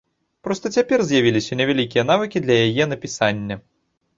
Проста цяпер з'явіліся невялікія навыкі для яе напісання.